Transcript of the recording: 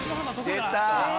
出た！